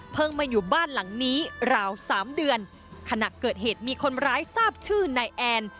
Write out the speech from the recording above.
มาอยู่บ้านหลังนี้ราวสามเดือนขณะเกิดเหตุมีคนร้ายทราบชื่อนายแอน